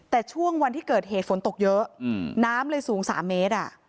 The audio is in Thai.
แต่ช่วงวันที่เกิดเหตุฝนตกเยอะน้ำเลยสูง๓เมตร